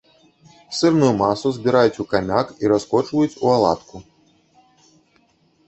Сырную масу збіраюць у камяк і раскочваюць у аладку.